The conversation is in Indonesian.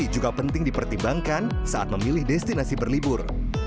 juga penting dipertimbangkan saat memilih destinasi berlibur